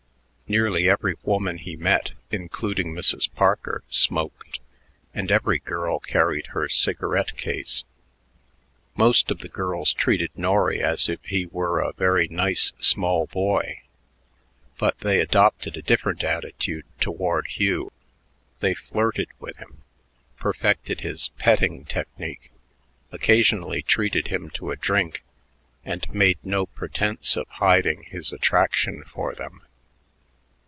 Nearly every woman he met, including Mrs. Parker, smoked, and every girl carried her cigarette case. Most of the girls treated Norry as if he were a very nice small boy, but they adopted a different attitude toward Hugh. They flirted with him, perfected his "petting" technique, occasionally treated him to a drink, and made no pretense of hiding his attraction for them.